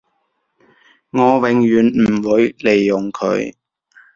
我永遠唔會利用佢